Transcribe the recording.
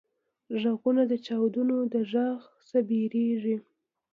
غوږونه د چاودنو غږ نه وېریږي